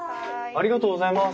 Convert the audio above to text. ありがとうございます。